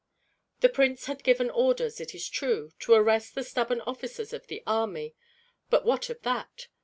The prince had given orders, it is true, to arrest the stubborn officers of the army, but what of that?